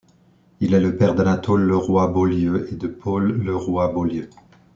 Il est le père d'Anatole Leroy-Beaulieu et de Paul Leroy-Beaulieu.